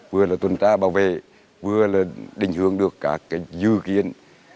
vừa là tuần tra bảo vệ vừa là định hướng được các dự kiến